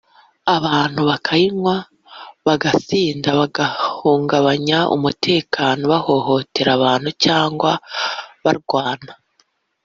abantu bakayinywa bagasinda bagahungabanya umutekano bahohotera abantu cyangwa barwana